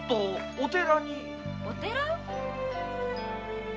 お寺？